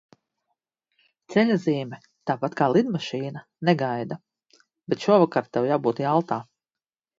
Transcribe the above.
Ceļazīme, tāpat kā lidmašīna, negaida. Bet šovakar tev jābūt Jaltā.